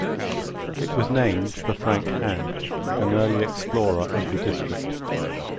It was named for Frank Hann, an early explorer of the district.